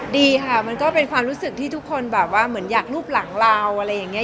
ดีค่ะมันก็เป็นความรู้สึกที่ทุกคนแบบว่าเหมือนอยากรูปหลังเราอะไรอย่างนี้